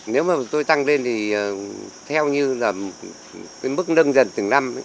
nếu mà tôi tăng lên thì theo như là cái mức nâng dần từng năm